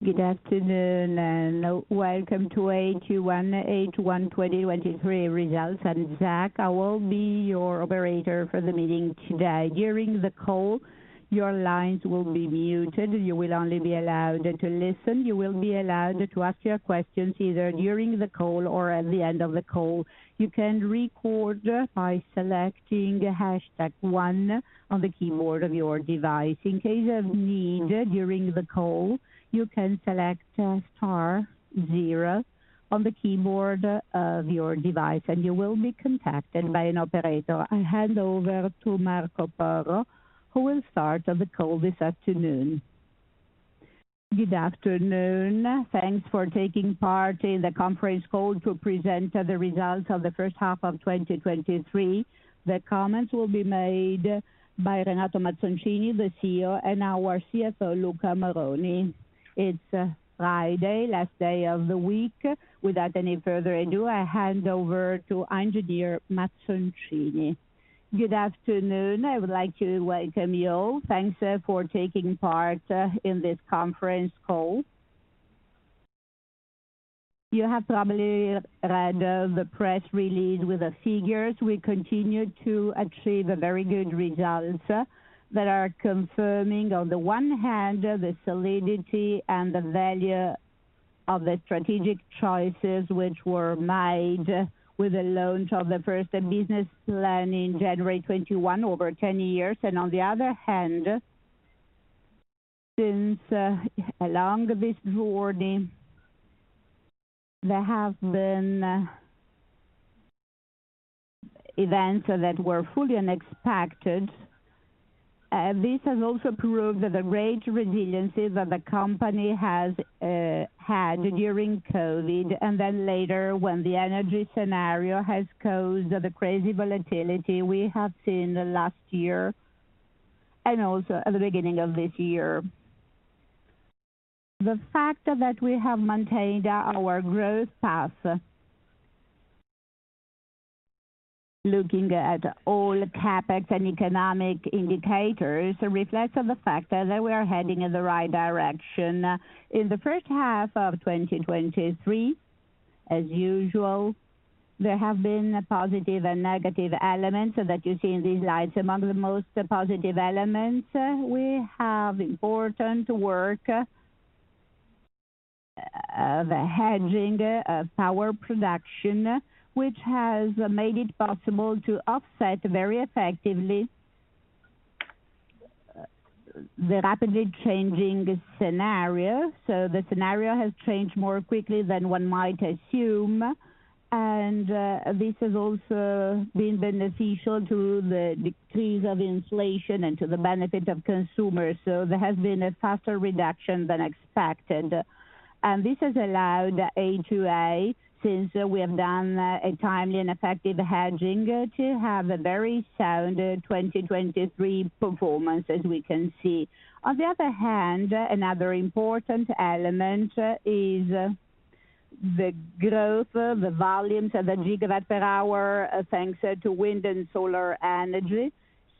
Good afternoon, welcome to A2A H1 2023 results. I'm Zach, I will be your Operator for the meeting today. During the call, your lines will be muted. You will only be allowed to listen. You will be allowed to ask your questions either during the call or at the end of the call. You can record by selecting hashtag one on the keyboard of your device. In case of need during the call, you can select star zero on the keyboard of your device, and you will be contacted by an Operator. I hand over to Marco Porro, who will start the call this afternoon. Good afternoon. Thanks for taking part in the conference call to present the results of the first half of 2023. The comments will be made by Renato Mazzoncini, the CEO, and our CFO, Luca Moroni. It's Friday, last day of the week. Without any further ado, I hand over to Engineer Mazzoncini. Good afternoon. I would like to welcome you all. Thanks for taking part in this conference call. You have probably read the press release with the figures. We continue to achieve very good results that are confirming, on the one hand, the solidity and the value of the strategic choices which were made with the launch of the first business plan in January 21, over 10 years. On the other hand, since along this journey, there have been events that were fully unexpected. This has also proved that the great resiliency that the company has had during COVID, and then later when the energy scenario has caused the crazy volatility we have seen the last year and also at the beginning of this year. The fact that we have maintained our growth path. Looking at all CapEx and economic indicators, reflects on the fact that we are heading in the right direction. In the first half of 2023, as usual, there have been positive and negative elements that you see in these slides. Among the most positive elements, we have important work, the hedging of power production, which has made it possible to offset very effectively, the rapidly changing scenario. The scenario has changed more quickly than one might assume, and this has also been beneficial to the decrease of inflation and to the benefit of consumers. There has been a faster reduction than expected, and this has allowed A2A, since we have done a timely and effective hedging, to have a very sound 2023 performance, as we can see. On the other hand, another important element is the growth, the volumes, the gigawatt per hour, thanks to wind and solar energy.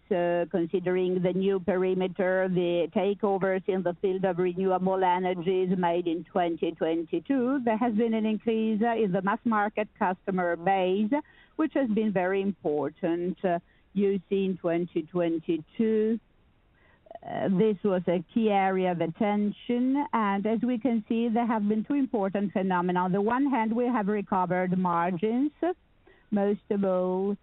Considering the new perimeter, the takeovers in the field of renewable energies made in 2022, there has been an increase in the mass market customer base, which has been very important. You see, in 2022, this was a key area of attention, and as we can see, there have been two important phenomena. On the one hand, we have recovered margins, most of all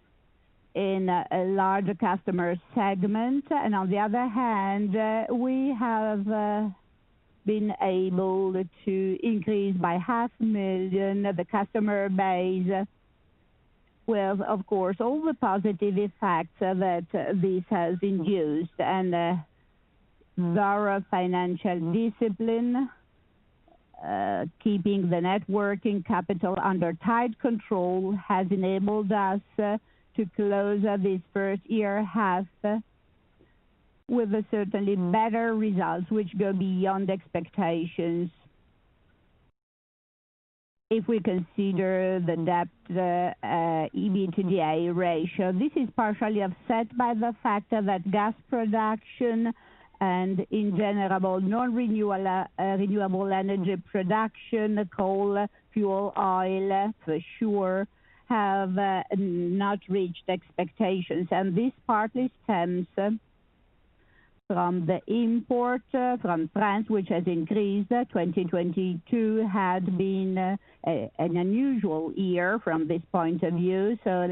in a larger customer segment, and on the other hand, we have been able to increase by 500,000 the customer base, with, of course, all the positive effects that this has induced. Our financial discipline, keeping the net working capital under tight control, has enabled us to close this first year half with a certainly better results, which go beyond expectations. If we consider the debt EBITDA ratio, this is partially offset by the fact that gas production and, in general, renewable energy production, coal, fuel, oil, for sure, have not reached expectations. This partly stems from the import from France, which has increased. 2022 had been an unusual year from this point of view, so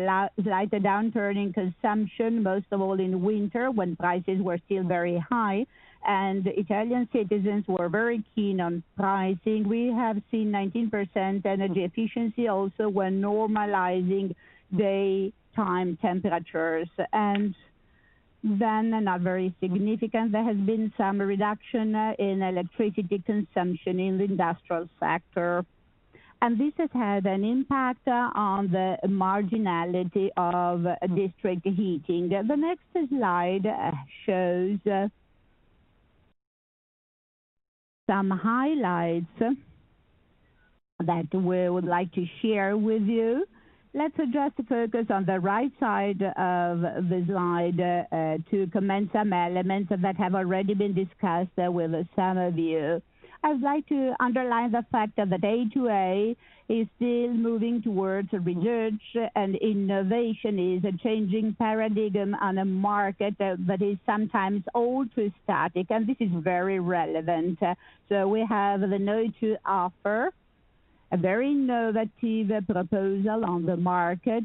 slight downturn in consumption, most of all in winter, when prices were still very high and Italian citizens were very keen on pricing. We have seen 19% energy efficiency also when normalizing daytime temperatures, and are very significant. There has been some reduction in electricity consumption in the industrial sector. This has had an impact on the marginality of district heating. The next slide shows some highlights that we would like to share with you. Let's just focus on the right side of the slide to comment some elements that have already been discussed with some of you. I would like to underline the fact that the A2A is still moving towards research, and innovation is a changing paradigm on a market that is sometimes all too static, and this is very relevant. We have the know to offer a very innovative proposal on the market.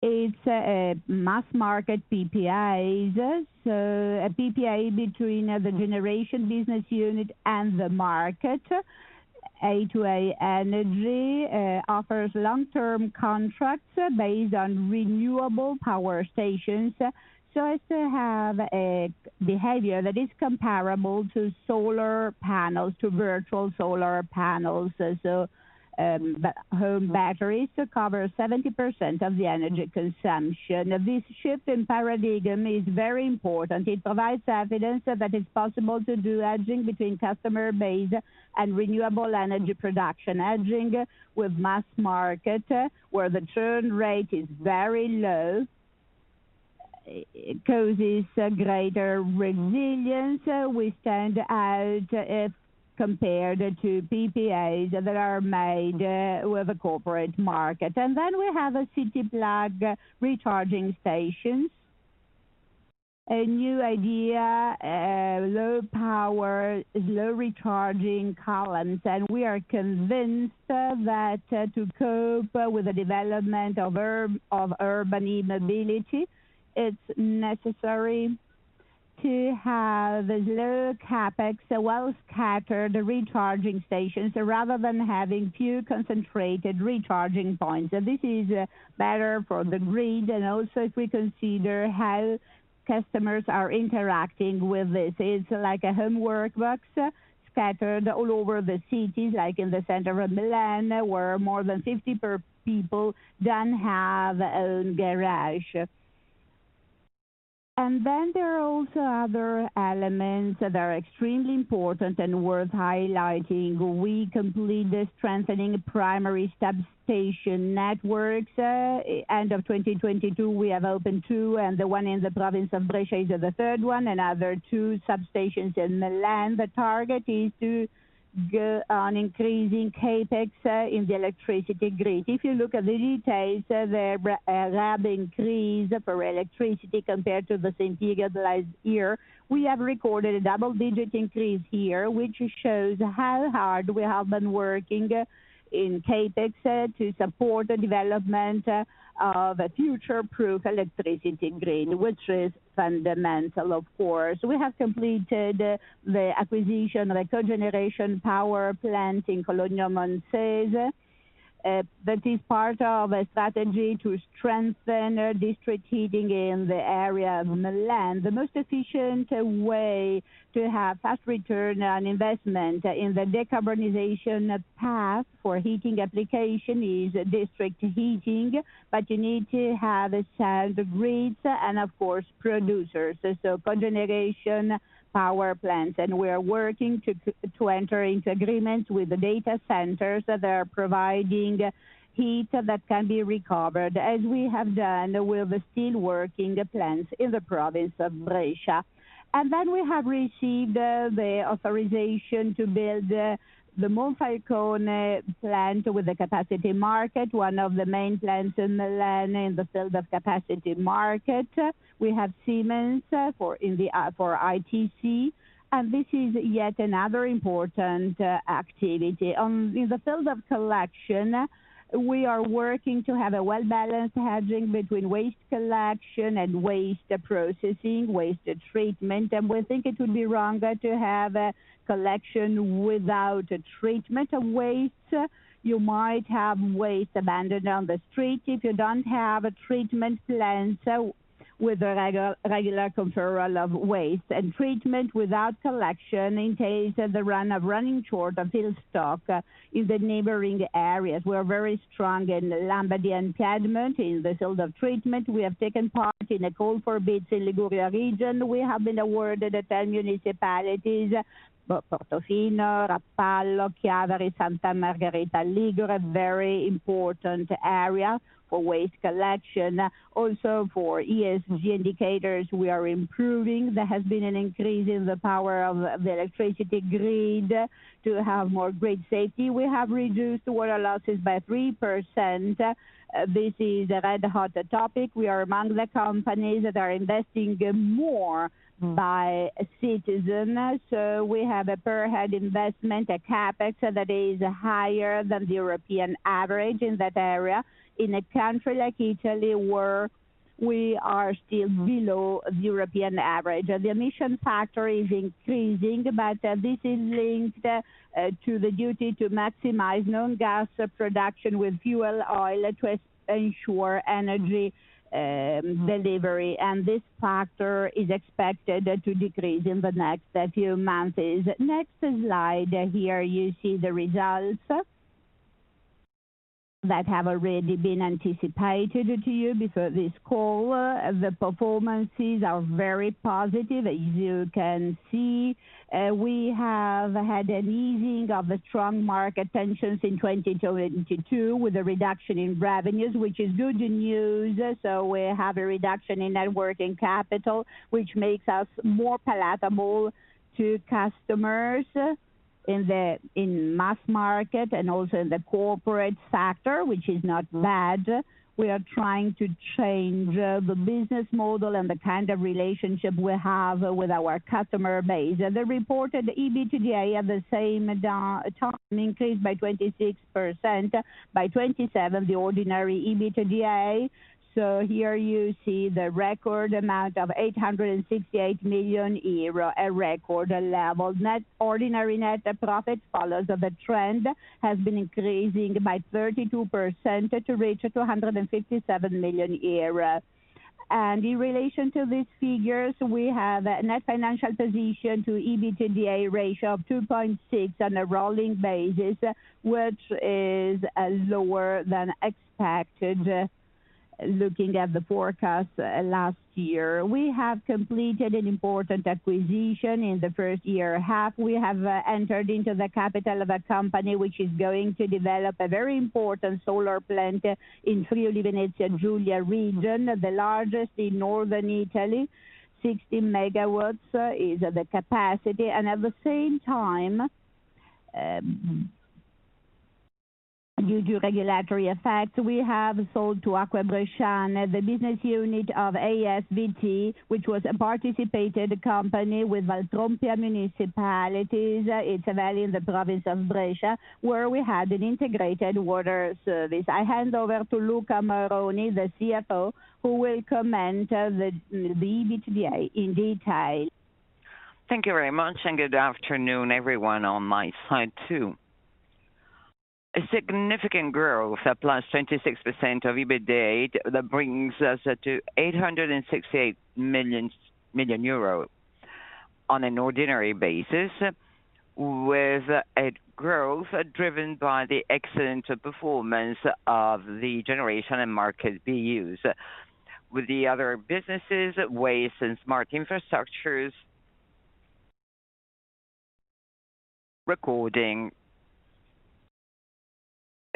It's a mass market PPAs, so a PPA between the generation business unit and the market. A2A Energia offers long-term contracts based on renewable power stations. As to have a behavior that is comparable to solar panels, to virtual solar panels, home batteries to cover 70% of the energy consumption. This shift in paradigm is very important. It provides evidence that it's possible to do hedging between customer base and renewable energy production. Hedging with mass market, where the churn rate is very low, it causes a greater resilience. We stand out compared to PPAs that are made with the corporate market. Then we have a City Plug recharging stations. A new idea, low power, low recharging columns, and we are convinced that to cope with the development of urban eMobility, it's necessary to have a low CapEx, a well-scattered recharging stations, rather than having few concentrated recharging points. This is better for the grid, and also if we consider how customers are interacting with this. It's like a homework box scattered all over the cities, like in the center of Milan, where more than 50% people don't have own garage. Then there are also other elements that are extremely important and worth highlighting. We complete the strengthening primary substation networks. End of 2022, we have opened two, and the one in the province of Brescia, the third one, and other two substations in Milan. The target is to go on increasing CapEx in the electricity grid. If you look at the details, there, there increase for electricity compared to the same period last year, we have recorded a double-digit increase here, which shows how hard we have been working in CapEx to support the development of a future-proof electricity grid, which is fundamental of course. We have completed the acquisition of a cogeneration power plant in Cologno Monzese, that is part of a strategy to strengthen district heating in the area of Milan. The most efficient way to have fast return on investment in the decarbonization path for heating application is district heating, but you need to have a sound grid and, of course, producers, so cogeneration power plants. We are working to enter into agreements with the data centers that are providing heat that can be recovered, as we have done with the steelworking plants in the province of Brescia. We have received the authorization to build the Monfalcone plant with the capacity market, one of the main plants in Milan in the field of capacity market. We have Siemens for ITC, and this is yet another important activity. In the field of collection, we are working to have a well-balanced hedging between waste collection and waste processing, waste treatment, we think it would be wrong to have a collection without treatment of waste. You might have waste abandoned on the street if you don't have a treatment plant, so with a regular control of waste. Treatment without collection entails the running short of stock in the neighboring areas. We are very strong in Lombardy and Piedmont in the field of treatment. We have taken part in a call for bids in Liguria region. We have been awarded at 10 municipalities, Portofino, Rapallo, Chiavari, Santa Margherita Ligure, very important area for waste collection. Also, for ESG indicators, we are improving. There has been an increase in the power of the electricity grid to have more grid safety. We have reduced water losses by 3%. This is a red-hot topic. We are among the companies that are investing more by citizens. We have a per head investment, a CapEx, that is higher than the European average in that area. In a country like Italy, where we are still below the European average, the emission factor is increasing, this is linked to the duty to maximize non-gas production with fuel oil to ensure energy delivery, and this factor is expected to decrease in the next few months. Next slide. Here, you see the results. That have already been anticipated to you before this call. The performances are very positive. As you can see, we have had an easing of the strong market tensions in 2022, with a reduction in revenues, which is good news. We have a reduction in net working capital, which makes us more palatable to customers in the mass market and also in the corporate sector, which is not bad. We are trying to change the business model and the kind of relationship we have with our customer base. The reported EBITDA at the same time, increased by 26%, by 27%, the ordinary EBITDA. Here you see the record amount of 868 million euro, a record level. Net, ordinary net profit follows the trend, has been increasing by 32% to reach 257 million euros. In relation to these figures, we have a net financial position to EBITDA ratio of 2.6 on a rolling basis, which is lower than expected, looking at the forecast last year. We have completed an important acquisition in the first year half. We have entered into the capital of a company, which is going to develop a very important solar plant in Friuli-Venezia Giulia region, the largest in northern Italy. 60 MW is the capacity, and at the same time, due to regulatory effects, we have sold to Acque Bresciane, the business unit of ASVT, which was a participated company with Val Trompia municipalities. It's a valley in the province of Brescia, where we had an integrated water service. I hand over to Luca Moroni, the CFO, who will comment the EBITDA in detail. Thank you very much. Good afternoon, everyone on my side, too. A significant growth, up +26% of EBITDA, that brings us to 868 million euros on an ordinary basis, with a growth driven by the excellent performance of the generation and market BUs. With the other businesses, waste and smart infrastructures, recording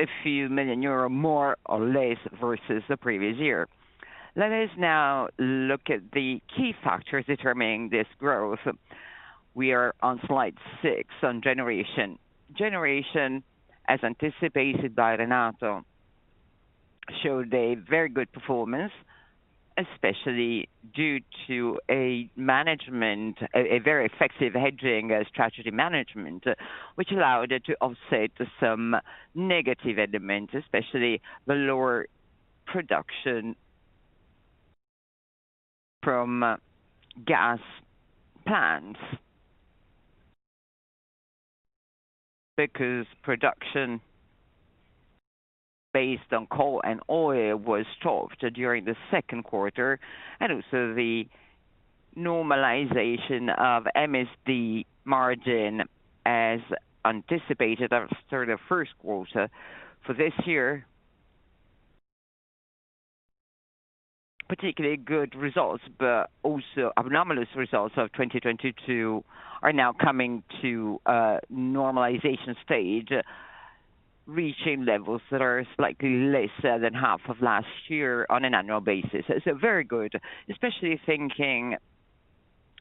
a few million euro, more or less, versus the previous year. Let us now look at the key factors determining this growth. We are on slide six, on generation. Generation, as anticipated by Renato, showed a very good performance, especially due to a management, a very effective hedging strategy management, which allowed it to offset some negative elements, especially the lower production from gas plants. Production based on coal and oil was tough during the second quarter, and also the normalization of MSD margin as anticipated after the first quarter. For this year, particularly good results, but also anomalous results of 2022 are now coming to a normalization stage, reaching levels that are slightly less than half of last year on an annual basis. Very good, especially thinking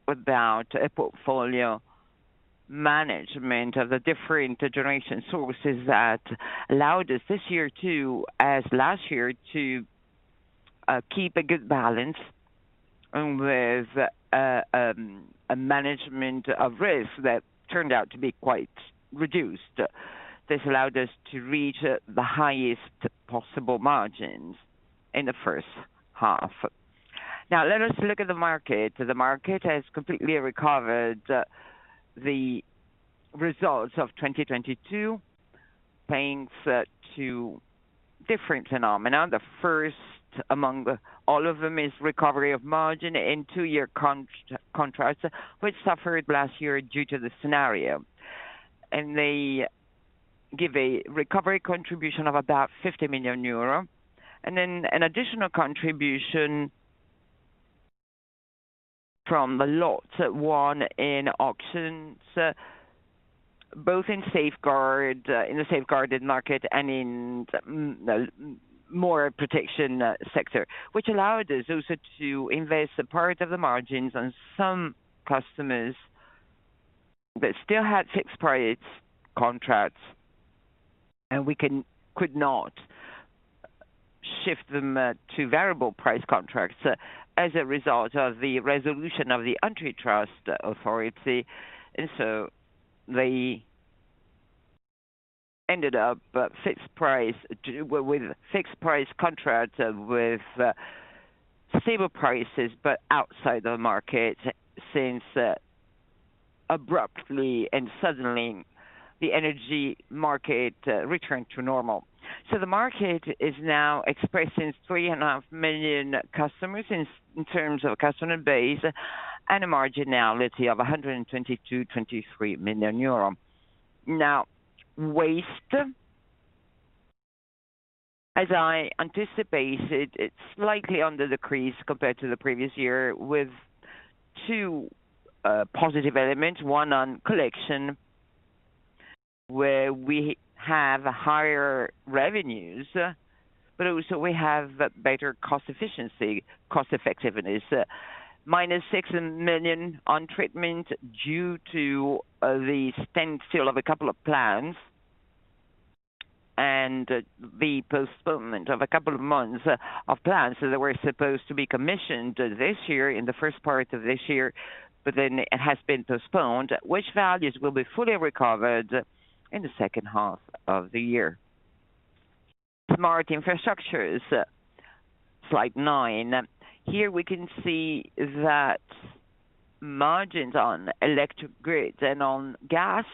about a portfolio management of the different generation sources that allowed us this year, too, as last year, to keep a good balance with a management of risk that turned out to be quite reduced. This allowed us to reach the highest possible margins in the first half. Let us look at the market. The market has completely recovered the results of 2022, thanks to different phenomena. The first among all of them is recovery of margin and two-year cons contracts, which suffered last year due to the scenario. They give a recovery contribution of about 50 million euro, and then an additional contribution from the lots won in auctions, both in safeguard, in the safeguarded market and in more protection sector. Which allowed us also to invest a part of the margins on some customers that still had fixed price contracts, and we could not shift them to variable price contracts as a result of the resolution of the Antitrust Authority. They ended up fixed price, with fixed price contracts, with stable prices, but outside the market, since abruptly and suddenly, the energy market returned to normal. The market is now expressing 3.5 million customers in terms of customer base. And a margin now, let's see, of 122 million-123 million euro. Waste, as I anticipate it, it's slightly under decrease compared to the previous year, with two positive elements. One on collection, where we have higher revenues, but also we have better cost efficiency, cost effectiveness. -6 million on treatment due to the standstill of a couple of plants, and the postponement of a couple of months of plants that were supposed to be commissioned this year, in the first part of this year, but then it has been postponed, which values will be fully recovered in the second half of the year. Smart infrastructures, slide nine. Here we can see that margins on electric grids and on gas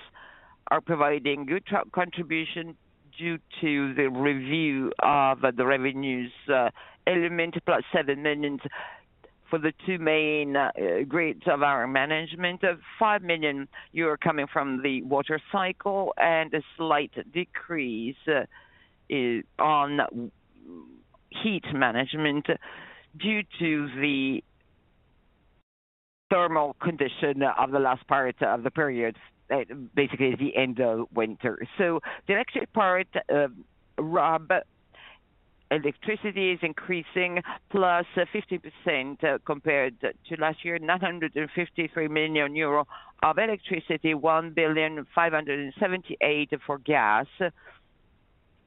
are providing good contribution due to the review of the revenues element, +7 million for the two main grids of our management. 5 million coming from the water cycle, a slight decrease is on heat management due to the thermal condition of the last part of the period, basically the end of winter. The electric part, rob electricity is increasing, +50% compared to last year, 953 million euro of electricity, 1,578 million for gas,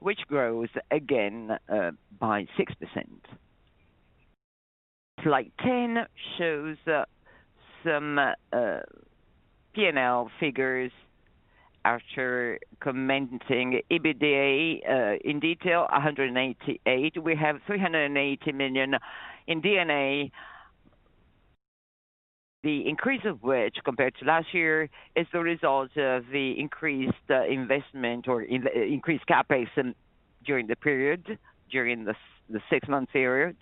which grows again by 6%. Slide 10 shows some P&L figures after commenting EBITDA in detail, 188. We have 380 million in D&A. The increase of which, compared to last year, is the result of the increased investment or increased CapEx during the period, during the six-month period.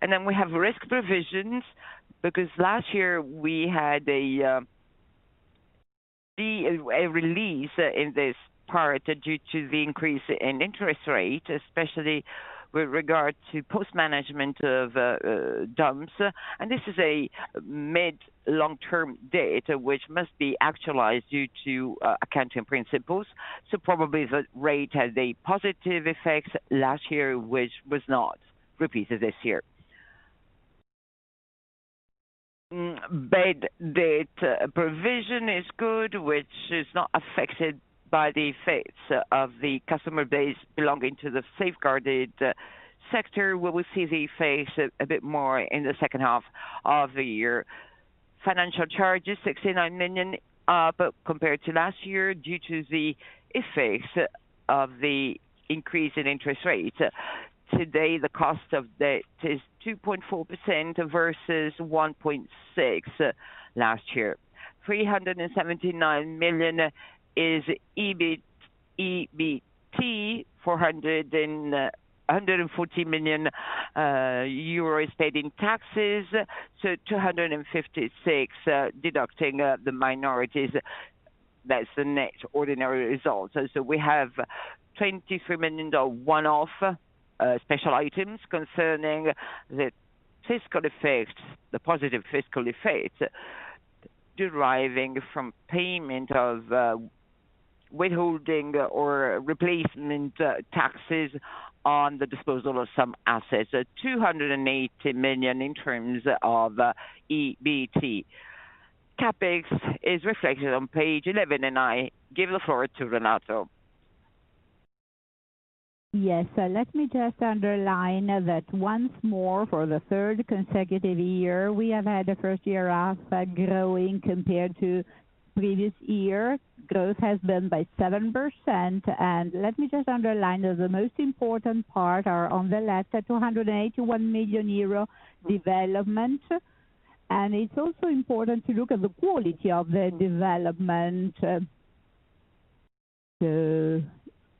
We have risk provisions, because last year we had a, the, a release in this part due to the increase in interest rate, especially with regard to post-management of dumps. This is a mid long-term debt, which must be actualized due to accounting principles. Probably the rate has a positive effect last year, which was not repeated this year. Bad debt provision is good, which is not affected by the fate of the customer base belonging to the safeguarded sector, where we see the face a bit more in the second half of the year. Financial charges, 69 million, compared to last year, due to the effects of the increase in interest rates. Today, the cost of debt is 2.4% versus 1.6% last year. 379 million is EBIT, EBT, 440 million euro paid in taxes, so 256 million deducting the minorities. That's the net ordinary results. We have EUR 23 million of one-off special items concerning the fiscal effects, the positive fiscal effects, deriving from payment of withholding or replacement taxes on the disposal of some assets. 280 million in terms of EBT. CapEx is reflected on page 11. I give the floor to Renato. Yes, let me just underline that once more, for the third consecutive year, we have had a first year of growing compared to previous year. Growth has been by 7%, let me just underline that the most important part are on the left, 281 million euro development. It's also important to look at the quality of the development, to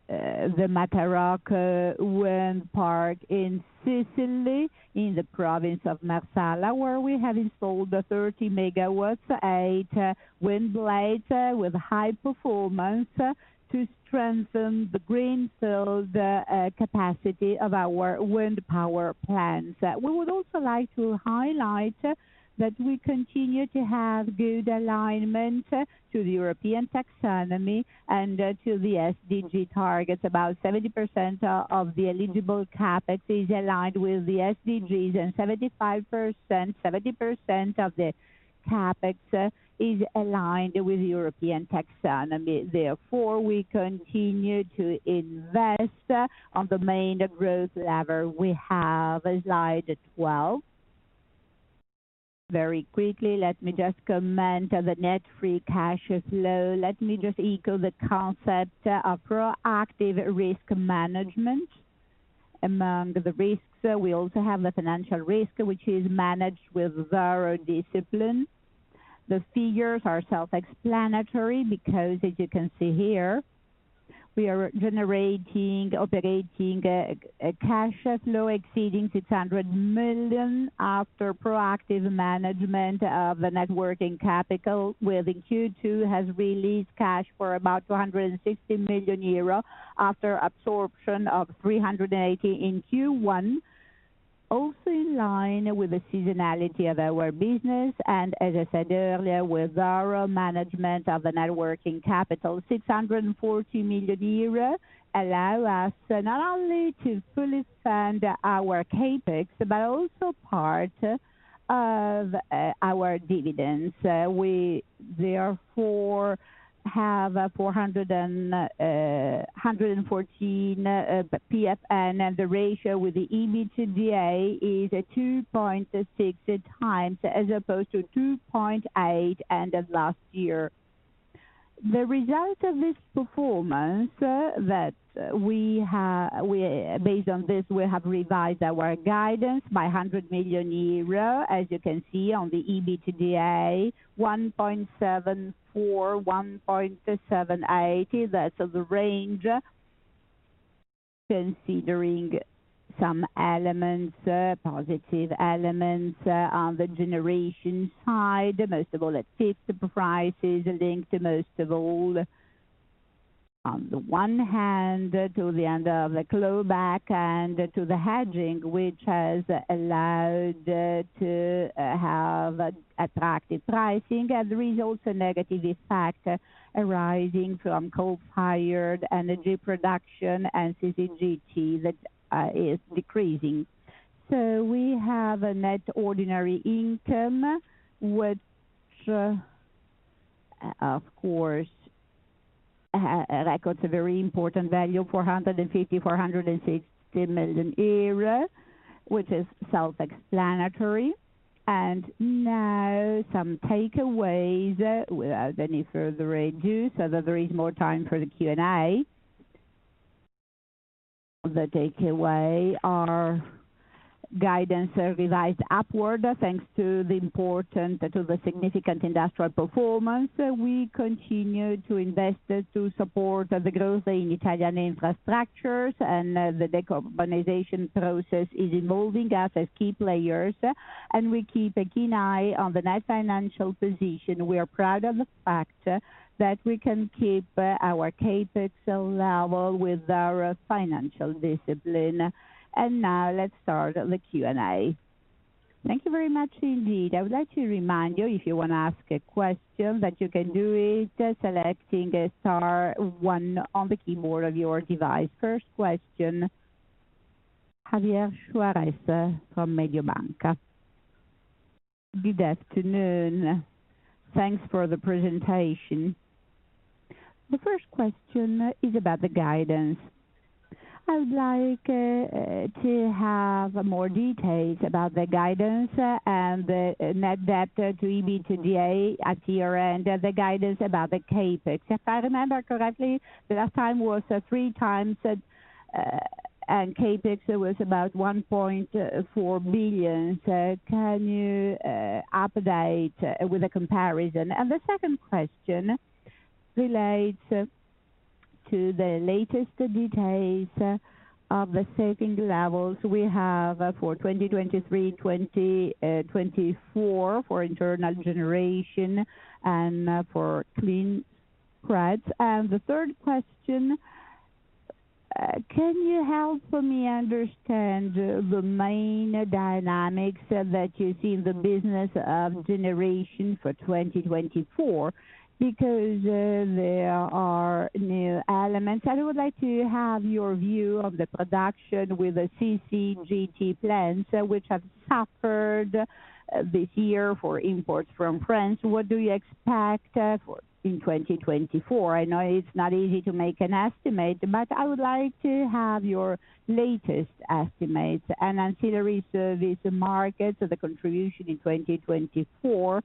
the Matarocco wind park in Sicily, in the province of Marsala, where we have installed a 30 MW, eight wind blades, with high performance to strengthen the greenfield capacity of our wind power plants. We would also like to highlight that we continue to have good alignment to the European taxonomy and to the SDG targets. About 70% of the eligible CapEx is aligned with the SDGs, and 75%, 70% of the CapEx is aligned with European taxonomy. Therefore, we continue to invest on the main growth lever. We have slide 12. Very quickly, let me just comment on the net free cash flow. Let me just echo the concept of proactive risk management. Among the risks, we also have the financial risk, which is managed with zero discipline. The figures are self-explanatory, because as you can see here. We are generating, operating a cash flow exceeding 600 million after proactive management of the net working capital, where the Q2 has released cash for about 260 million euro, after absorption of 380 million in Q1. In line with the seasonality of our business, and as I said earlier, with our management of the net working capital, 640 million euros allow us not only to fully fund our CapEx, also part of our dividends. We therefore have 414 PFN, the ratio with the EBITDA is 2.6x, as opposed to 2.8 end of last year. The result of this performance, based on this, we have revised our guidance by 100 million euro, as you can see on the EBITDA, 1.74-1.78. That's the range, considering some elements, positive elements, on the generation side. Most of all, the fit prices linked, most of all, on the one hand, to the end of the clawback and to the hedging, which has allowed to have attractive pricing. There is also negative effect arising from coal-fired energy production and CCGT that is decreasing. We have a net ordinary income, which records a very important value, 450 million-460 million euro, which is self-explanatory. Now some takeaways, without any further ado, so that there is more time for the Q&A. The takeaway, our guidance are revised upward, thanks to the important, to the significant industrial performance. We continue to invest, to support the growth in Italian infrastructures, and the decarbonization process is involving us as key players, and we keep a keen eye on the net financial position. We are proud of the fact that we can keep our CapEx level with our financial discipline. Now let's start the Q&A. Thank you very much, indeed. I would like to remind you, if you want to ask a question, that you can do it, selecting star one on the keyboard of your device. First question, Javier Suarez from Mediobanca. Good afternoon. Thanks for the presentation. The first question is about the guidance. I would like to have more details about the guidance and the net debt to EBITDA at year-end, the guidance about the CapEx. If I remember correctly, the last time was three times, and CapEx was about 1.4 billion. Can you update with a comparison? The second question relates to the latest details of the saving levels we have for 2023, 2024, for internal generation and for Green Certificates. The third question, can you help me understand the main dynamics that you see in the business of generation for 2024? Because there are new elements, and I would like to have your view of the production with the CCGT plants, which have suffered this year for imports from France. What do you expect for, in 2024? I know it's not easy to make an estimate, but I would like to have your latest estimates and ancillary service markets, so the contribution in 2024,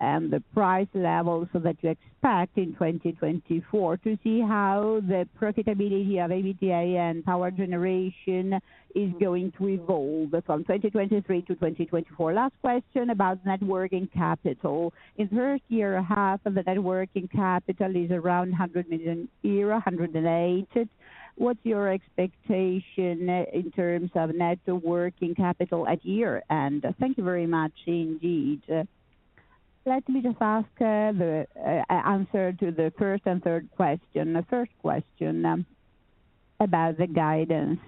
and the price levels so that you expect in 2024, to see how the profitability of EBITDA and power generation is going to evolve from 2023 to 2024. Last question about net working capital. In first year, half of the net working capital is around 100 million euro, 180. What's your expectation in terms of net working capital at year-end? Thank you very much, indeed. Let me just ask the answer to the first and third question. The first question about the guidance.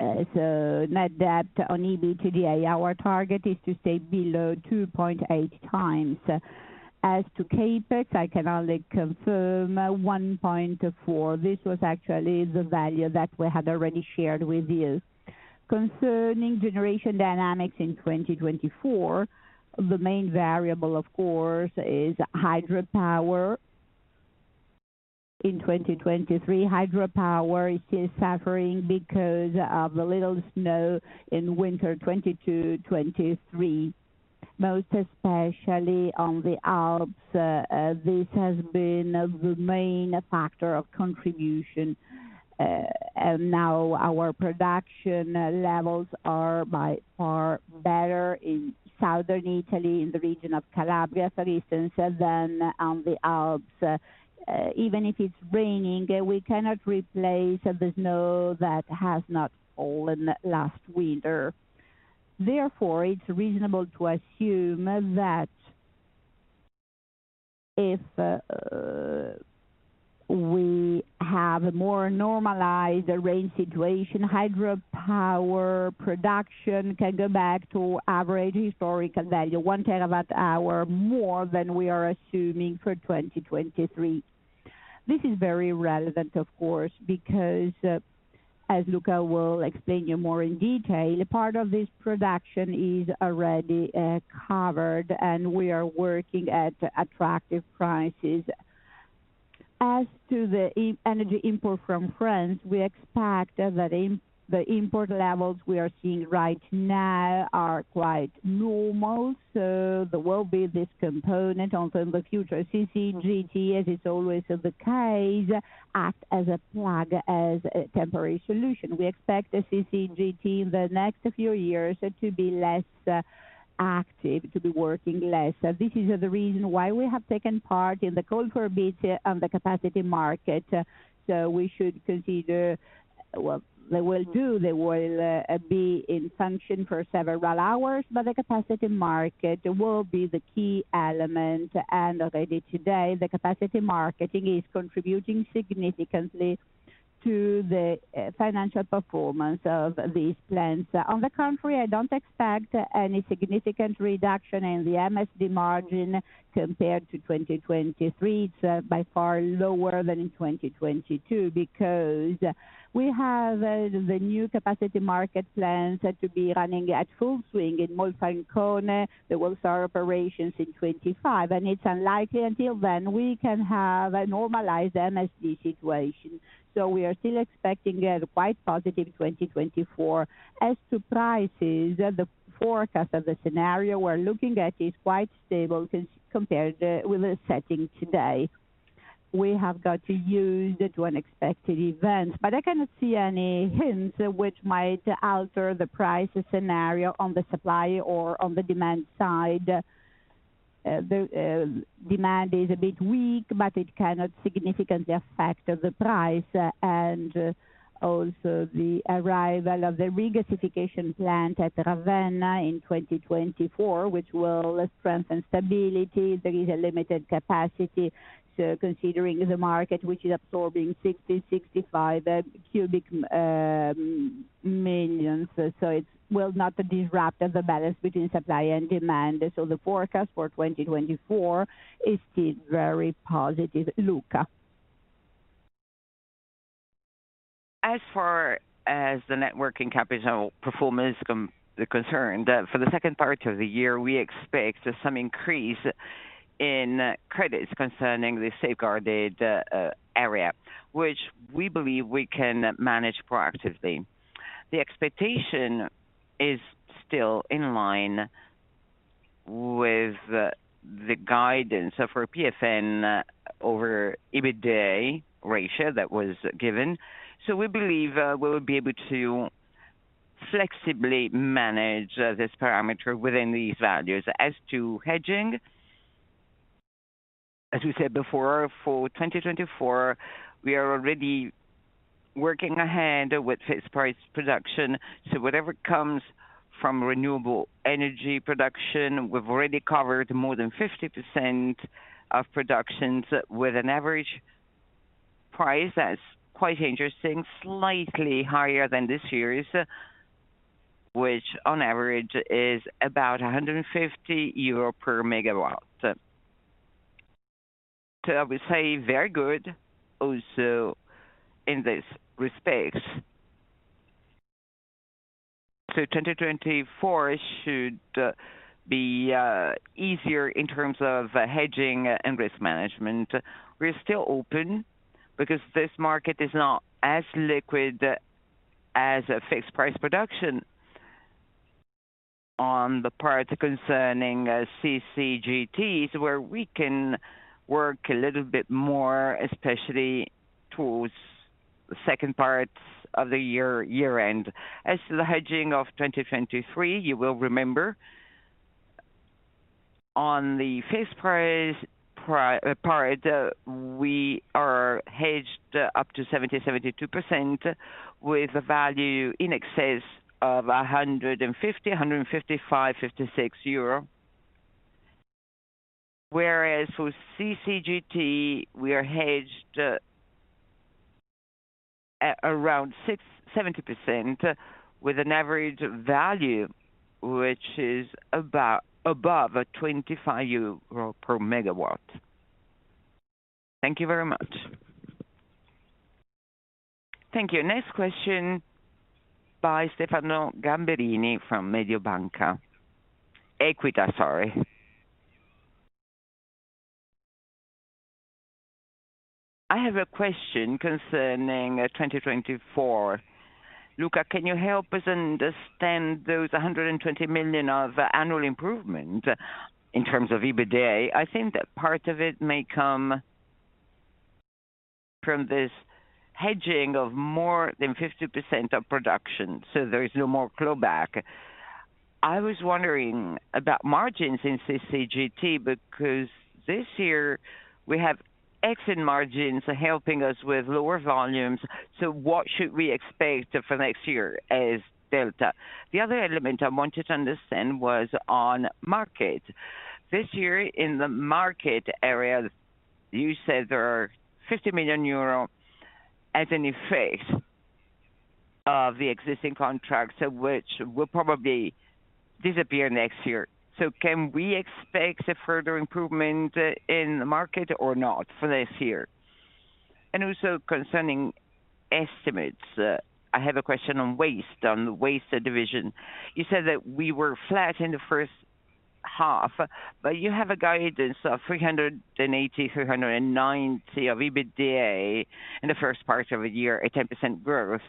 Net debt on EBITDA, our target is to stay below 2.8x. As to CapEx, I can only confirm 1.4. This was actually the value that we had already shared with you. Concerning generation dynamics in 2024, the main variable, of course, is hydropower. In 2023, hydropower is suffering because of the little snow in winter 2022-2023, most especially on the Alps. This has been the main factor of contribution. Now our production levels are by far better in Southern Italy, in the region of Calabria, for instance, than on the Alps. Even if it's raining, we cannot replace the snow that has not fallen last winter. Therefore, it's reasonable to assume that if we have a more normalized rain situation, hydropower production can go back to average historical value, 1 TWh, more than we are assuming for 2023. This is very relevant, of course, because as Luca will explain you more in detail, part of this production is already covered, and we are working at attractive prices. As to the energy import from France, we expect that the import levels we are seeing right now are quite normal, there will be this component also in the future. CCGT, as is always the case, act as a plug, as a temporary solution. We expect the CCGT in the next few years to be less active, to be working less. This is the reason why we have taken part in the call for bid, the capacity market. We should consider, well, they will do, they will be in function for several hours, but the capacity market will be the key element, and already today, the capacity marketing is contributing significantly to the financial performance of these plants. On the contrary, I don't expect any significant reduction in the MSD margin compared to 2023. It's by far lower than in 2022, because we have the new capacity market plans to be running at full swing in Monfalcone. They will start operations in 2025, and it's unlikely until then we can have a normalized MSD situation. We are still expecting a quite positive 2024. As to prices, the forecast of the scenario we're looking at is quite stable compared with the setting today. We have got to use the unexpected events, but I cannot see any hints which might alter the price scenario on the supply or on the demand side. The demand is a bit weak, but it cannot significantly affect the price, and also the arrival of the regasification plant at Ravenna in 2024, which will strengthen stability. There is a limited capacity, so considering the market, which is absorbing 60, 65 cu millions, so it will not disrupt the balance between supply and demand. The forecast for 2024 is still very positive. Luca? As far as the net working capital performance is concerned, for the second part of the year, we expect some increase in credits concerning the safeguarded area, which we believe we can manage proactively. The expectation is still in line with the guidance for PFN over EBITDA ratio that was given. We believe we will be able to flexibly manage this parameter within these values. As to hedging, as we said before, for 2024, we are already working ahead with fixed price production. Whatever comes from renewable energy production, we've already covered more than 50% of productions, with an average price that's quite interesting, slightly higher than this year's, which on average is about 150 euro per megawatt. I would say very good, also in this respects. 2024 should be easier in terms of hedging and risk management. We're still open because this market is not as liquid as a fixed price production. On the parts concerning CCGT, where we can work a little bit more, especially towards the second part of the year, year-end. As to the hedging of 2023, you will remember, on the fixed price part, we are hedged up to 70%-72%, with a value in excess of 150, 155, 56 euro. Whereas with CCGT, we are hedged at around 70%, with an average value, which is about, above 25 euro per megawatt. Thank you very much. Thank you. Next question by Stefano Gamberini from Mediobanca. Equita, sorry. I have a question concerning 2024. Luca, can you help us understand those 120 million of annual improvement in terms of EBITDA? I think that part of it may come from this hedging of more than 50% of production, so there is no more clawback. I was wondering about margins in CCGT, because this year we have exit margins helping us with lower volumes. What should we expect for next year as delta? The other element I wanted to understand was on market. This year, in the market area, you said there are 50 million euro as an effect of the existing contracts, which will probably disappear next year. Can we expect a further improvement in the market or not for this year? Also concerning estimates, I have a question on waste, on the waste division. You said that we were flat in the first half, but you have a guidance of 380, 390 of EBITDA in the first part of the year, a 10% growth.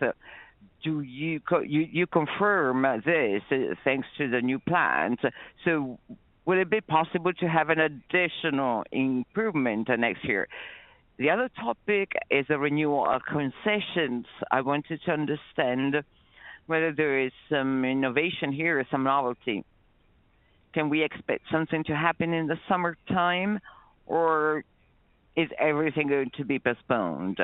Do you confirm this, thanks to the new plant? Would it be possible to have an additional improvement next year? The other topic is the renewal of concessions. I wanted to understand whether there is some innovation here or some novelty. Can we expect something to happen in the summertime, or is everything going to be postponed?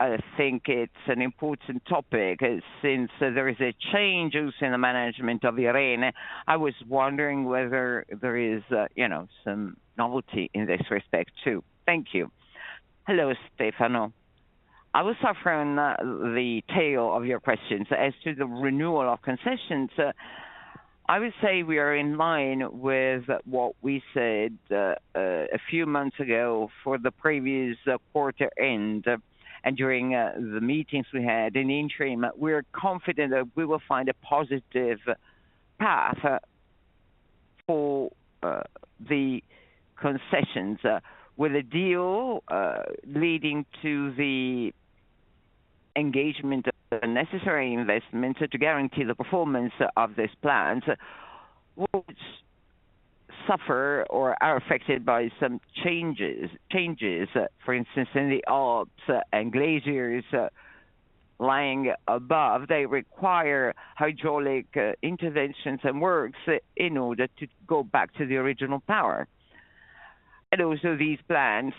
I think it's an important topic, since there is a change also in the management of the arena, I was wondering whether there is, you know, some novelty in this respect, too. Thank you. Hello, Stefano. I will start from the tail of your questions. As to the renewal of concessions, I would say we are in line with what we said, a few months ago for the previous quarter end, and during the meetings we had in interim. We are confident that we will find a positive path for the concessions, with a deal leading to the engagement of the necessary investment to guarantee the performance of these plants, which suffer or are affected by some changes, changes, for instance, in the Alps and glaciers lying above. They require hydraulic interventions and works in order to go back to the original power. Also these plants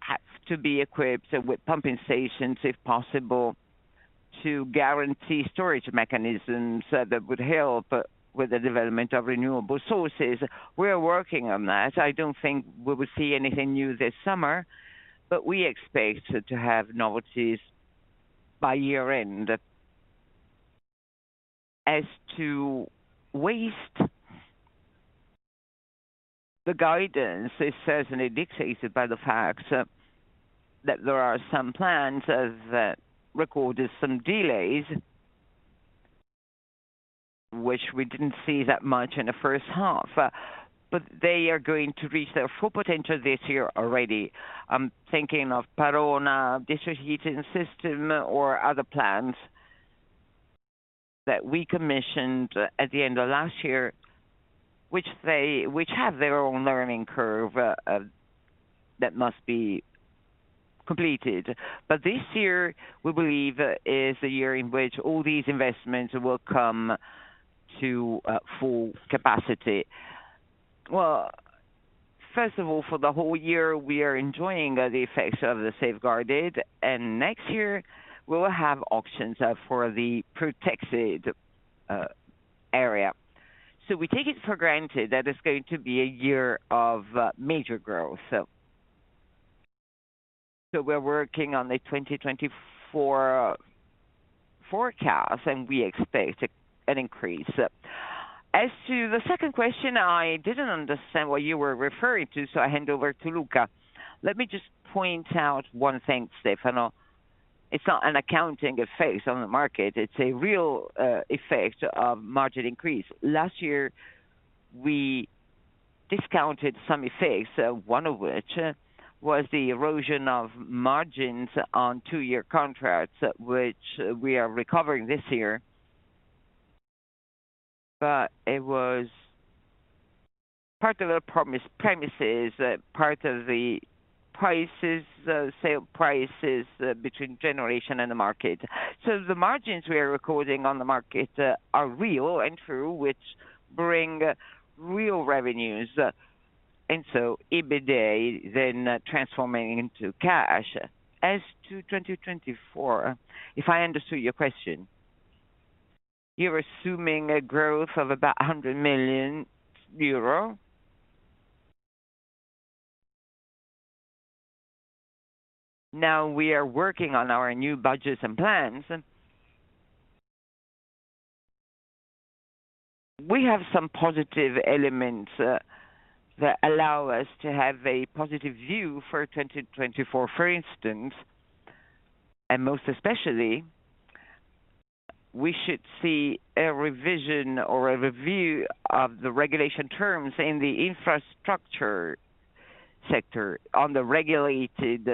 have to be equipped with pumping stations, if possible, to guarantee storage mechanisms that would help with the development of renewable sources. We are working on that. I don't think we will see anything new this summer, but we expect to have novelties by year end. As to waste, the guidance is certainly dictated by the fact that there are some plants that recorded some delays, which we didn't see that much in the first half, but they are going to reach their full potential this year already. I'm thinking of Verona district heating system or other plants that we commissioned at the end of last year, which they, which have their own learning curve that must be completed. This year, we believe, is the year in which all these investments will come to full capacity. First of all, for the whole year, we are enjoying the effects of the safeguarded, and next year we will have options for the protected area. We take it for granted that it's going to be a year of major growth. We're working on the 2024 forecast, and we expect an increase. As to the second question, I didn't understand what you were referring to, so I hand over to Luca. Let me just point out one thing, Stefano. It's not an accounting effect on the market, it's a real effect of margin increase. Last year, we discounted some effects, one of which was the erosion of margins on two-year contracts, which we are recovering this year. It was part of the promise, premises, part of the prices, sale prices, between generation and the market. The margins we are recording on the market are real and true, which bring real revenues, and so EBITDA then transforming into cash. As to 2024, if I understood your question, you're assuming a growth of about 100 million euro. Now, we are working on our new budgets and plans. We have some positive elements that allow us to have a positive view for 2024. For instance, and most especially, we should see a revision or a review of the regulation terms in the infrastructure sector, on the regulated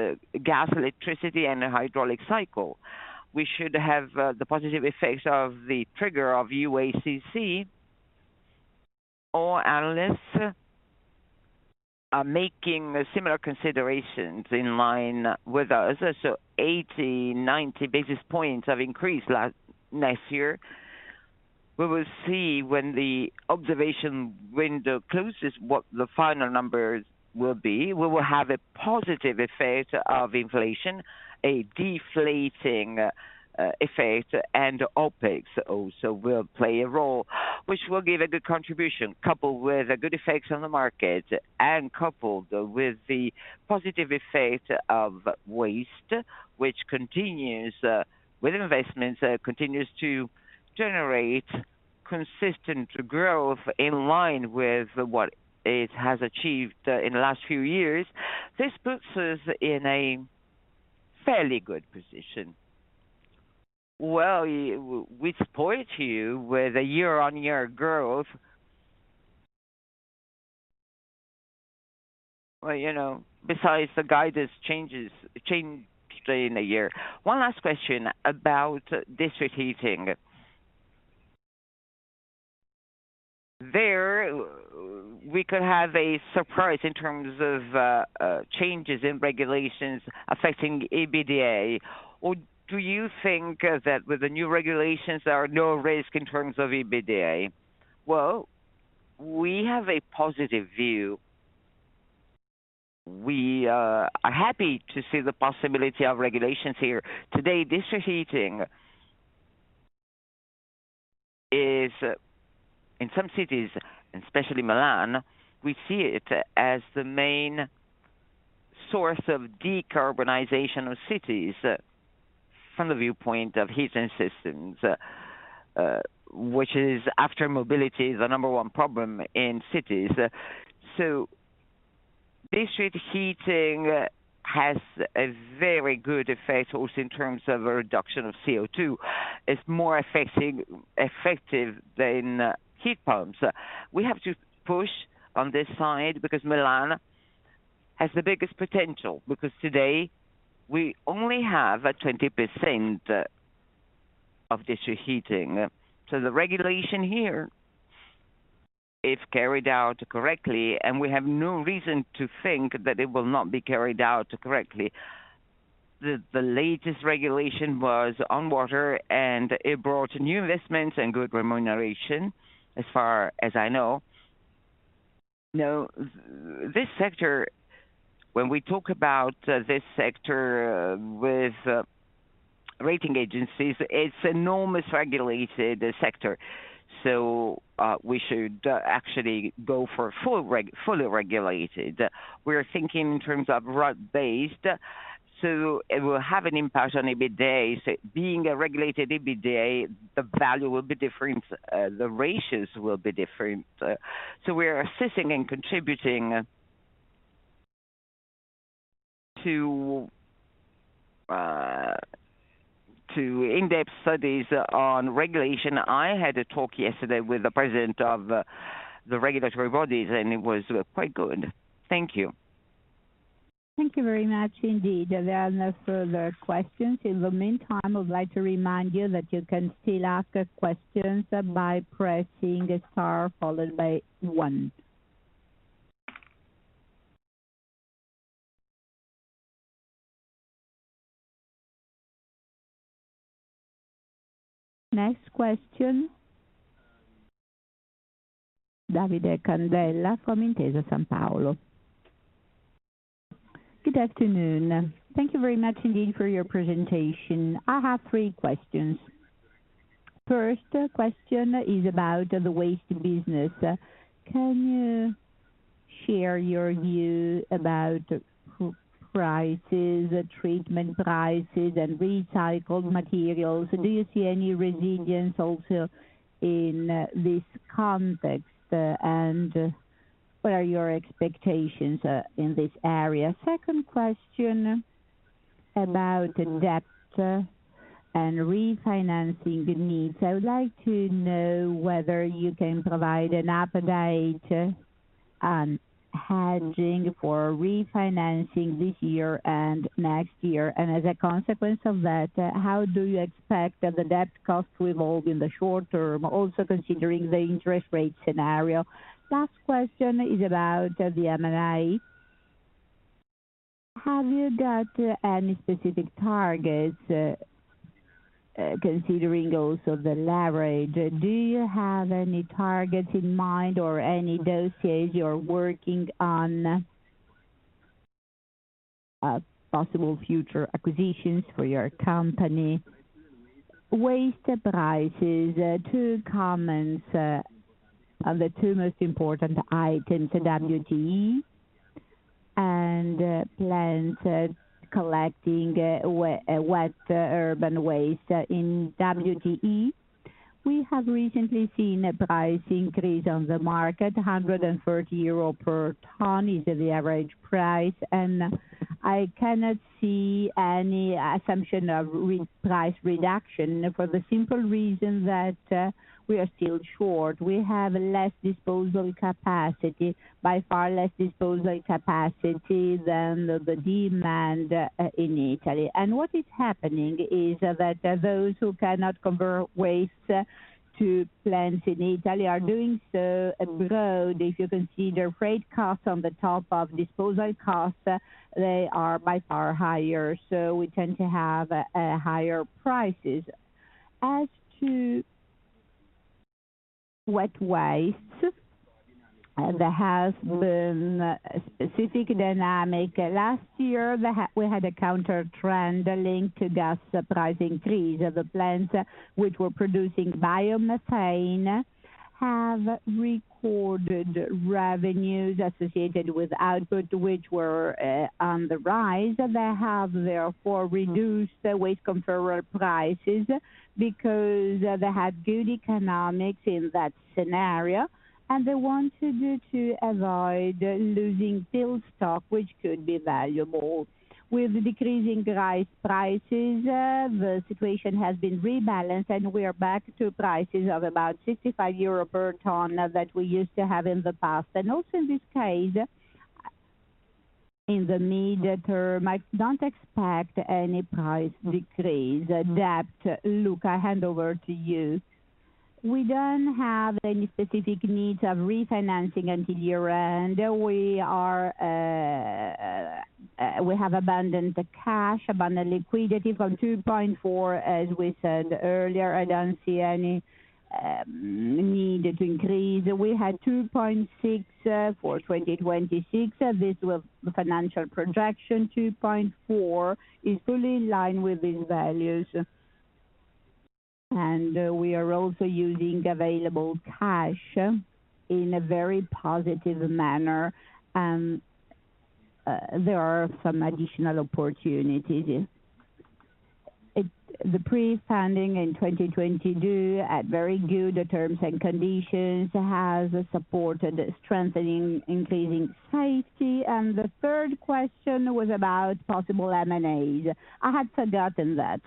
gas, electricity, and hydraulic cycle. We should have the positive effects of the trigger of WACC. All analysts are making similar considerations in line with us. 80, 90 basis points have increased last, last year. We will see when the observation window closes, what the final numbers will be. We will have a positive effect of inflation, a deflating effect, and OpEx also will play a role, which will give a good contribution, coupled with the good effects on the market, and coupled with the positive effect of waste, which continues with investments, continues to generate consistent growth in line with what it has achieved in the last few years. This puts us in a fairly good position. Well, we support you with a year-on-year growth. Well, you know, besides, the guidance changes, change during the year. One last question about district heating. There, we could have a surprise in terms of changes in regulations affecting EBITDA, or do you think that with the new regulations, there are no risk in terms of EBITDA? Well, we have a positive view. We are happy to see the possibility of regulations here. Today, district heating is, in some cities, and especially Milan, we see it as the main source of decarbonization of cities, from the viewpoint of heating systems, which is, after mobility, is the number one problem in cities. District heating has a very good effect also in terms of a reduction of CO2. It's more effective than heat pumps. We have to push on this side because Milan has the biggest potential, because today we only have a 20% of district heating. The regulation here, if carried out correctly, and we have no reason to think that it will not be carried out correctly. The latest regulation was on water, and it brought new investments and good remuneration, as far as I know. This sector, when we talk about this sector with rating agencies, it's enormous regulated sector, we should actually go for fully regulated. We are thinking in terms of RAB-based, it will have an impact on EBITDA. Being a regulated EBITDA, the value will be different, the ratios will be different. We are assisting and contributing... to in-depth studies on regulation. I had a talk yesterday with the president of the regulatory bodies, it was quite good. Thank you. Thank you very much indeed. There are no further questions. In the meantime, I would like to remind you that you can still ask questions by pressing the star followed by one. Next question, Davide Candela from Intesa Sanpaolo. Good afternoon. Thank you very much indeed for your presentation. I have three questions. First question is about the waste business. Can you share your view about prices, treatment prices, and recycled materials? Do you see any resilience also in this context, and what are your expectations in this area? Second question about the debt and refinancing the needs. I would like to know whether you can provide an update on hedging for refinancing this year and next year. As a consequence of that, how do you expect the debt cost to evolve in the short term, also considering the interest rate scenario? Last question is about the M&A. Have you got any specific targets, considering also the leverage, do you have any targets in mind or any dossier you're working on, possible future acquisitions for your company? Waste prices, two comments on the two most important items to WTE and plans collecting wet urban waste in WTE. We have recently seen a price increase on the market, 130 euro per ton is the average price. I cannot see any assumption of price reduction for the simple reason that we are still short. We have less disposal capacity, by far less disposal capacity than the demand in Italy. What is happening is that those who cannot convert waste to plants in Italy are doing so abroad. If you can see their freight costs on the top of disposal costs, they are by far higher. We tend to have higher prices. As to wet waste, there has been a specific dynamic. Last year, we had a countertrend linked to gas price increase. The plants which were producing biomethane have recorded revenues associated with output, which were on the rise. They have therefore reduced the waste converter prices because they had good economics in that scenario, and they wanted to avoid losing build stock, which could be valuable. With decreasing price, prices, the situation has been rebalanced and we are back to prices of about 65 euro per ton that we used to have in the past. Also in this case, in the mid-term, I don't expect any price decrease. That, Luca, I hand over to you. We don't have any specific needs of refinancing until year-end. We are, we have abandoned the cash, abandoned liquidity from 2.4, as we said earlier, I don't see any need to increase. We had 2.6 for 2026. This was the financial projection. 2.4 is fully in line with these values, and we are also using available cash in a very positive manner, and there are some additional opportunities. The pre-funding in 2020 at very good terms and conditions, has supported strengthening, increasing safety. The third question was about possible M&As. I had forgotten that.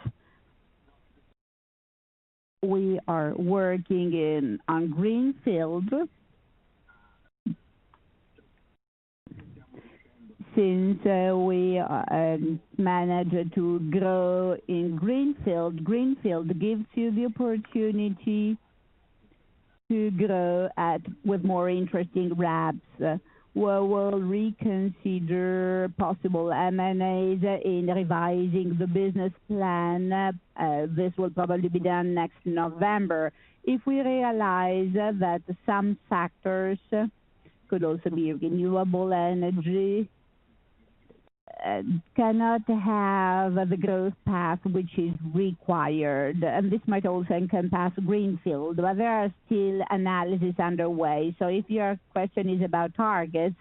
We are working on greenfield. Since we managed to grow in greenfield, greenfield gives you the opportunity to grow with more interesting ramps. We'll reconsider possible M&As in revising the business plan. This will probably be done next November. If we realize that some factors could also be renewable energy, cannot have the growth path which is required, and this might also encompass greenfield, but there are still analysis underway. If your question is about targets,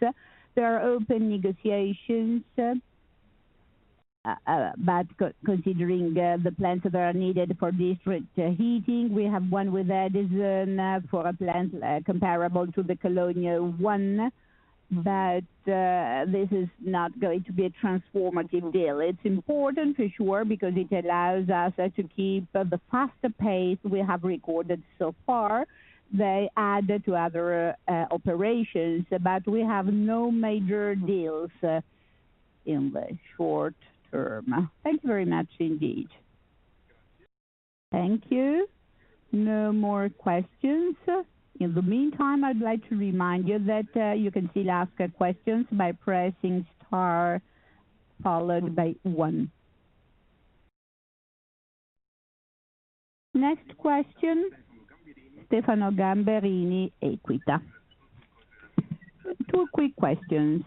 there are open negotiations, but co-considering the plants that are needed for district heating, we have one with Edison for a plant, comparable to the colonial one, but this is not going to be a transformative deal. It's important for sure, because it allows us to keep the faster pace we have recorded so far. They add to other operations, but we have no major deals in the short term. Thank you very much indeed. Thank you. No more questions. In the meantime, I'd like to remind you that you can still ask a questions by pressing star, followed by one. Next question, Stefano Gamberini, Equita. Two quick questions.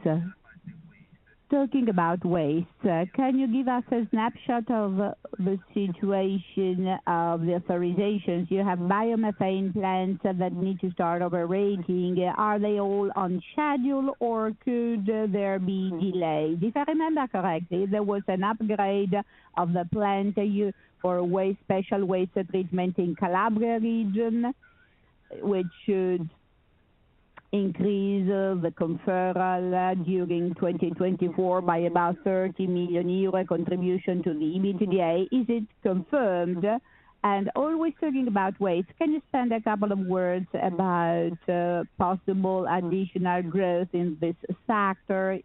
Talking about waste, can you give us a snapshot of the situation of the authorizations? You have biomethane plants that need to start operating. Are they all on schedule, or could there be delays? If I remember correctly, there was an upgrade of the plant for waste, special waste treatment in Calabria region, which should increase the conferral during 2024 by about 30 million euro contribution to the EBITDA. Is it confirmed? Always talking about waste, can you spend a couple of words about possible additional growth in this sector?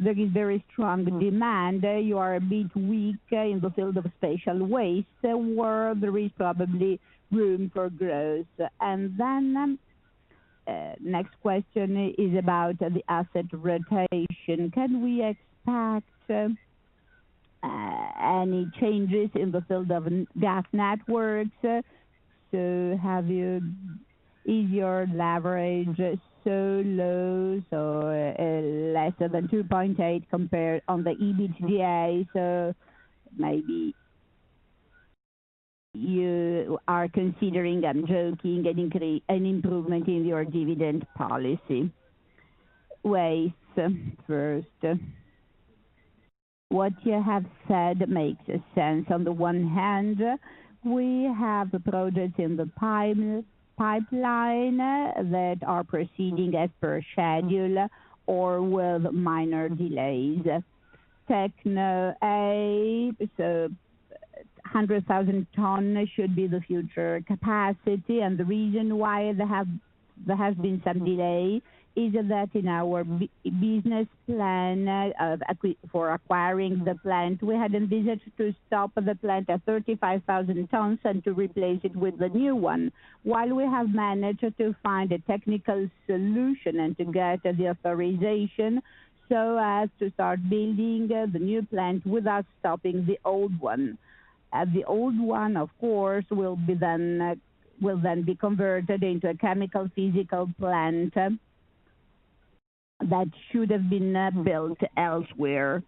There is very strong demand. You are a bit weak in the field of special waste, where there is probably room for growth. Next question is about the asset rotation. Can we expect any changes in the field of gas networks? Is your leverage so low, so less than 2.8 compared on the EBITDA? Maybe you are considering, I'm joking, an improvement in your dividend policy. Waste, first. What you have said makes sense. On the one hand, we have products in the pipeline that are proceeding as per schedule or with minor delays. TecnoA, so 100,000 tons should be the future capacity, and the reason why there has been some delay is that in our business plan for acquiring the plant, we had envisaged to stop the plant at 35,000 tons and to replace it with the new one. While we have managed to find a technical solution and to get the authorization so as to start building the new plant without stopping the old one. The old one, of course, will be then, will then be converted into a chemical, physical plant, that should have been built elsewhere.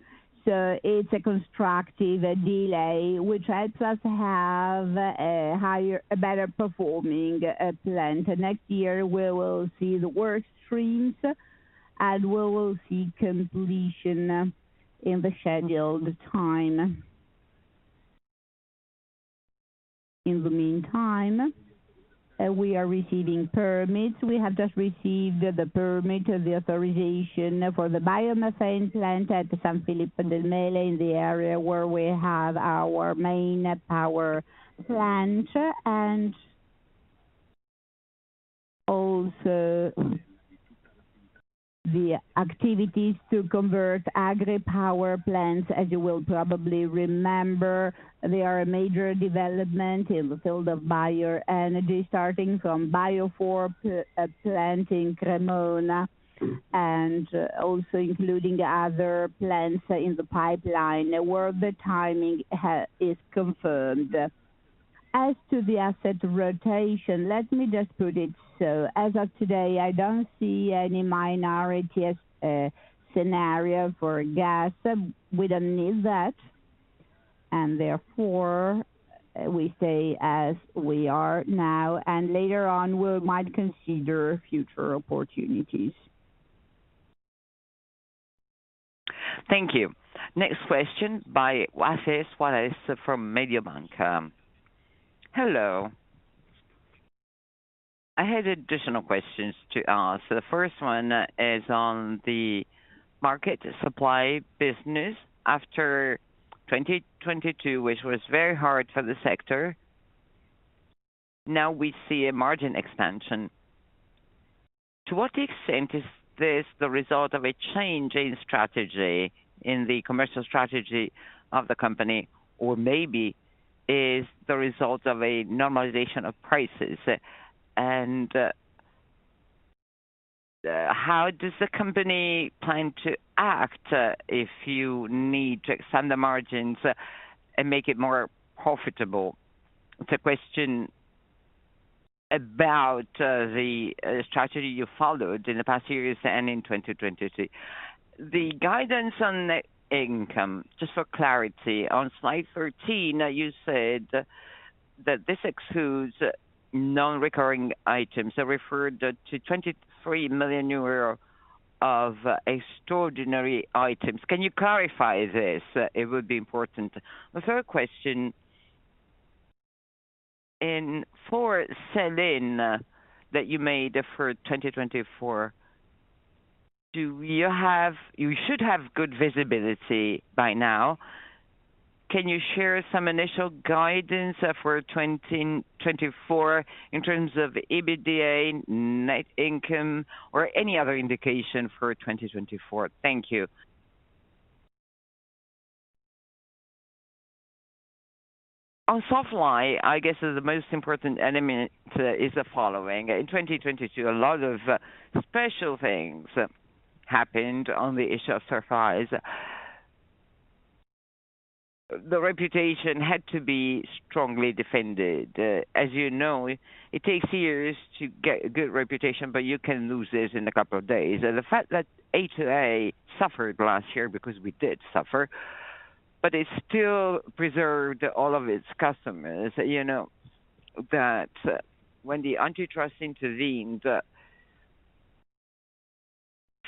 It's a constructive delay, which helps us have a higher, a better performing, plant. Next year, we will see the work streams, and we will see completion in the scheduled time. In the meantime, we are receiving permits. We have just received the permit, the authorization for the biomass plant at San Filippo del Mela, in the area where we have our main power plant, and also the activities to convert agri-power plants. As you will probably remember, they are a major development in the field of bioenergy, starting from bio for, plant in Cremona, and also including other plants in the pipeline, where the timing is confirmed. As to the asset rotation, let me just put it so, as of today, I don't see any minority scenario for gas. We don't need that. Therefore, we stay as we are now, and later on, we might consider future opportunities. Thank you. Next question by Javier Suarez from Mediobanca. Hello. I had additional questions to ask. The first one is on the market supply business. After 2022, which was very hard for the sector, now we see a margin expansion. To what extent is this the result of a change in strategy, in the commercial strategy of the company, or maybe is the result of a normalization of prices? How does the company plan to act, if you need to extend the margins and make it more profitable? It's a question about the strategy you followed in the past years and in 2022. The guidance on net income, just for clarity, on slide 13, you said that this excludes non-recurring items, so referred to 23 million euro of extraordinary items. Can you clarify this? It would be important. The third question, in for scenario, that you made for 2024. You should have good visibility by now. Can you share some initial guidance for 2024 in terms of EBITDA, net income, or any other indication for 2024? Thank you. On supply, I guess the most important element is the following: in 2022, a lot of special things happened on the issue of supply. The reputation had to be strongly defended. As you know, it takes years to get a good reputation, but you can lose this in a couple of days. The fact that A2A suffered last year, because we did suffer, but it still preserved all of its customers. You know, that when the antitrust intervened,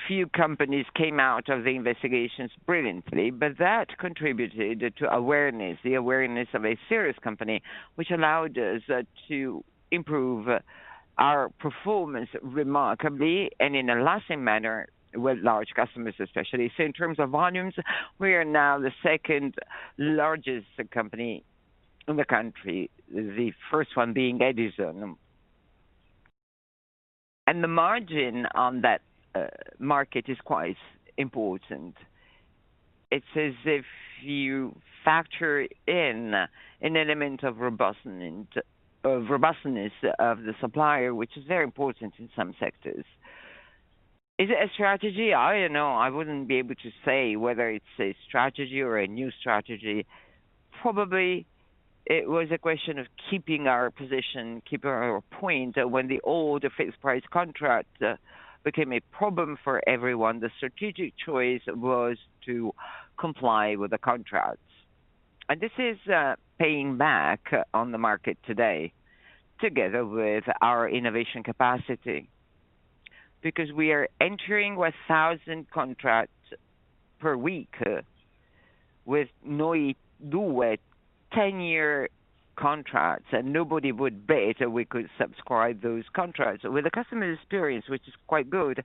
few companies came out of the investigations brilliantly, but that contributed to awareness, the awareness of a serious company, which allowed us to improve our performance remarkably and in a lasting manner, with large customers, especially. In terms of volumes, we are now the second largest company in the country, the first one being Edison. The margin on that market is quite important. It's as if you factor in an element of robustness, robustness of the supplier, which is very important in some sectors. Is it a strategy? I don't know. I wouldn't be able to say whether it's a strategy or a new strategy. Probably, it was a question of keeping our position, keeping our point. When the old fixed price contract, became a problem for everyone, the strategic choice was to comply with the contracts. This is, paying back on the market today, together with our innovation capacity. We are entering with 1,000 contracts per week with Noi2, 10-year contracts, and nobody would bet that we could subscribe those contracts. With the customer experience, which is quite good,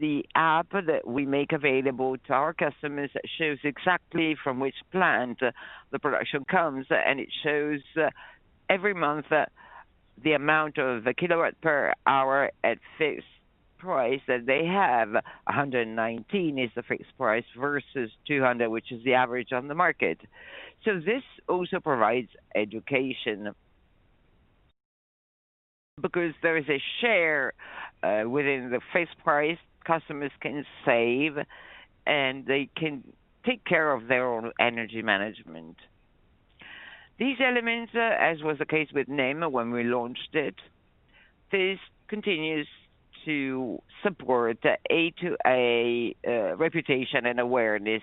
the app that we make available to our customers shows exactly from which plant the production comes, and it shows every month the amount of the kilowatt per hour at fixed price that they have. 119 is the fixed price versus 200, which is the average on the market. This also provides education. There is a share within the fixed price, customers can save, and they can take care of their own energy management. These elements, as was the case with NeN when we launched it, this continues to support the A2A reputation and awareness,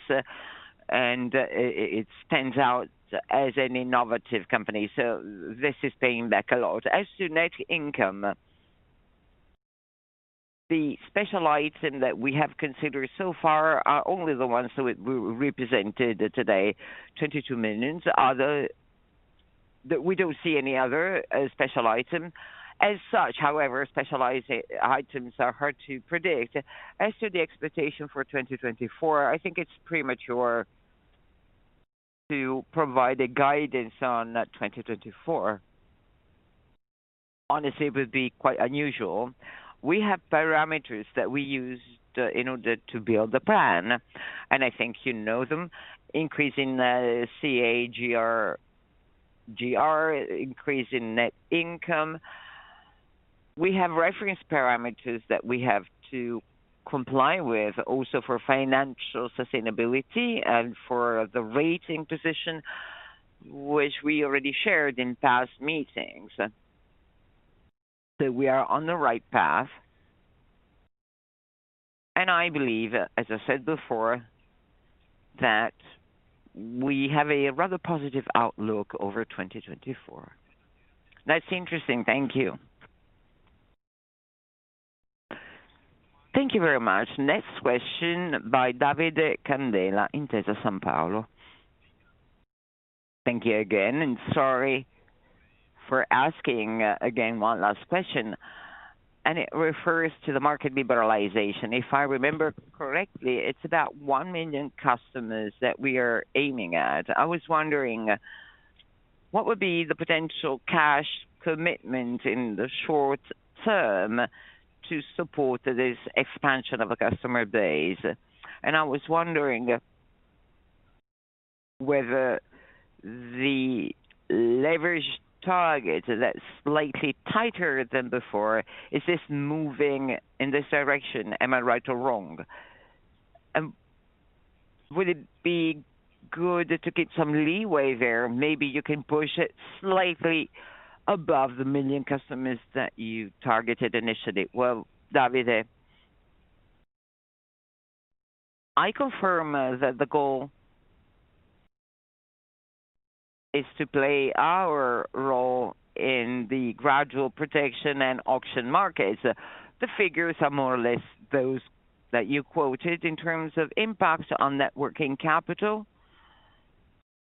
and it stands out as an innovative company. This is paying back a lot. As to net income, the special item that we have considered so far are only the ones that we represented today, 22 million. That we don't see any other special item. As such, however, special items are hard to predict. As to the expectation for 2024, I think it's premature to provide a guidance on 2024. Honestly, it would be quite unusual. We have parameters that we use to, in order to build the plan, and I think you know them. Increasing CAGR, increase in net income. We have reference parameters that we have to comply with, also for financial sustainability and for the rating position, which we already shared in past meetings. We are on the right path, and I believe, as I said before, that we have a rather positive outlook over 2024. That's interesting. Thank you. Thank you very much. Next question by Davide Candela, Intesa Sanpaolo. Thank you again. Sorry for asking again, one last question. It refers to the market liberalization. If I remember correctly, it's about 1 million customers that we are aiming at. I was wondering, what would be the potential cash commitment in the short term to support this expansion of a customer base? I was wondering whether the leverage target that's slightly tighter than before, is this moving in this direction? Am I right or wrong? Would it be good to get some leeway there? Maybe you can push it slightly above the million customers that you targeted initially. Well, Davide, I confirm that the goal is to play our role in the Gradual Protection and auction markets. The figures are more or less those that you quoted in terms of impact on net working capital.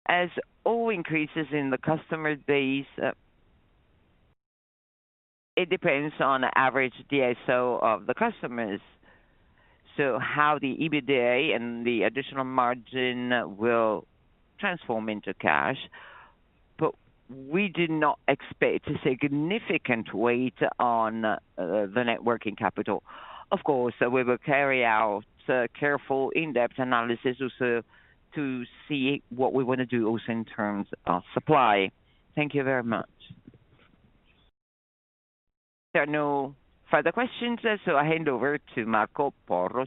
As all increases in the customer base, it depends on average DSO of the customers, so how the EBITDA and the additional margin will transform into cash, but we did not expect a significant weight on the net working capital. Of course, we will carry out careful in-depth analysis also to see what we want to do also in terms of supply. Thank you very much. There are no further questions, so I hand over to Marco Porro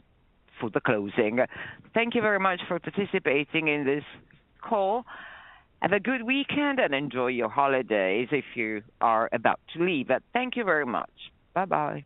for the closing. Thank you very much for participating in this call. Have a good weekend, and enjoy your holidays if you are about to leave. Thank you very much. Bye-bye.